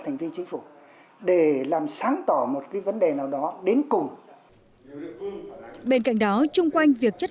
thành viên chính phủ để làm sáng tỏ một cái vấn đề nào đó đến cùng bên cạnh đó chung quanh việc chất